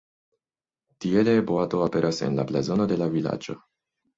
Tiele boato aperas en la blazono de la vilaĝo.